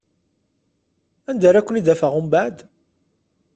Anda ara ken-id-afeɣ umbeɛd?